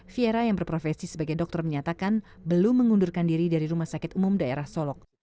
dua ribu tujuh belas fiera yang berprofesi sebagai dokter menyatakan belum mengundurkan diri dari rumah sakit umum daerah solok